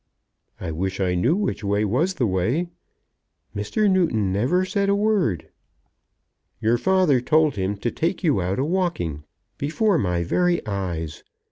"I wish I knew which was the way." "Mr. Newton never said a word." "Your father told him to take you out a walking before my very eyes!